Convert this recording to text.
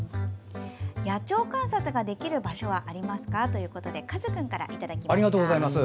野鳥観察ができる場所はありますかということでかずくんからいただきました。